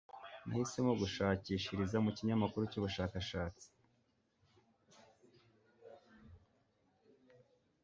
nahisemo gushakishiriza mu kinyamakuru cy'ubushakashatsi